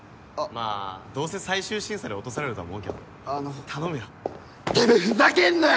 まあどうせ最終審査で落とされると思うけど頼むよあのてめえふざけんなよ！